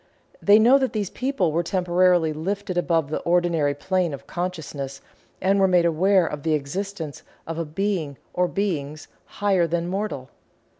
They know that these people were temporarily lifted above the ordinary plane of consciousness and were made aware of the existence of a Being or Beings higher than mortal.